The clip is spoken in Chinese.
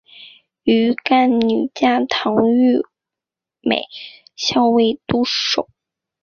鱼干女嫁唐御侮校尉杜守。